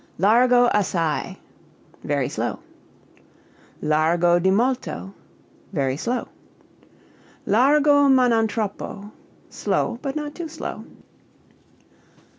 Largo assai very slow. Largo di molto very slow. Largo ma non troppo slow, but not too slow.